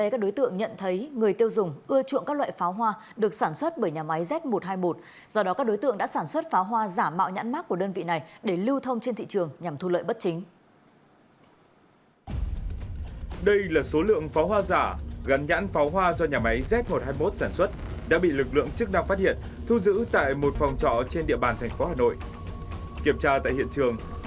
các đối tượng in tèm nhãn gần giống với sản phẩm pháo hoa của nhà máy z một trăm hai mươi một rồi bán ra thị trường